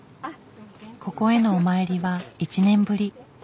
ここへのお参りは１年ぶり。